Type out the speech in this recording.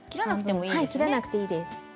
切らなくていいんですね。